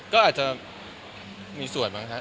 ก็จะมีส่วนมาเบอด